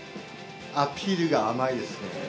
アピールが甘いですね。